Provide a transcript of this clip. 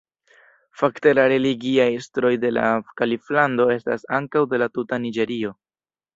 Fakte la religiaj estroj de la kaliflando estas ankaŭ de la tuta Niĝerio.